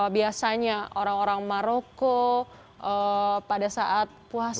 biasanya orang orang maroko pada saat puasa gitu kan